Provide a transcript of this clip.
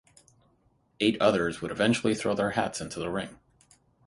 Eight others would eventually throw their hats into the ring.